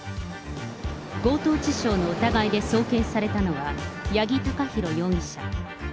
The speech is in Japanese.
強盗致傷の疑いで送検されたのは、八木貴寛容疑者。